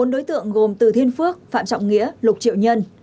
bốn đối tượng gồm từ thiên phước phạm trọng nghĩa lục triệu nhân